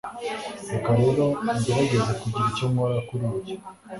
Reka rero ngerageze kugira icyo nkora kuri ibyo